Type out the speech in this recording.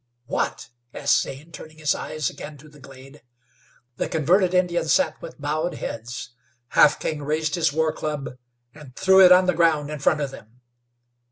"What?" asked Zane, turning his eyes again to the glade. The converted Indians sat with bowed heads. Half King raised his war club, and threw it on the ground in front of them.